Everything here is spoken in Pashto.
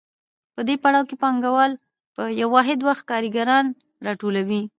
په دې پړاو کې پانګوال په یو واحد وخت کارګران راټولوي